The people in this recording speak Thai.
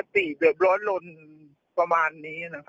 ที่เขาโล๊ดล้นประมาณนี้